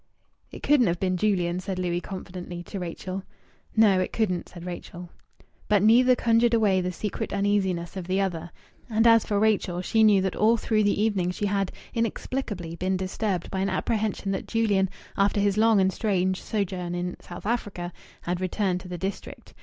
"It couldn't have been Julian," said Louis, confidently, to Rachel. "No, it couldn't," said Rachel. But neither conjured away the secret uneasiness of the other. And as for Rachel, she knew that all through the evening she had, inexplicably, been disturbed by an apprehension that Julian, after his long and strange sojourn in South Africa, had returned to the district.